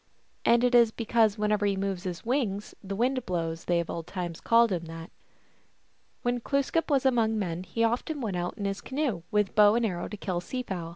And it is because whenever he moves his wings the wind blows they of old times called him that. When Glooskap was among men he often went out in his canoe with bow and arrows to kill sea fowl.